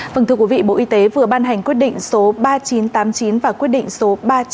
vâng thưa quý vị bộ y tế vừa ban hành quyết định số ba nghìn chín trăm tám mươi chín và quyết định số ba nghìn chín trăm bảy mươi chín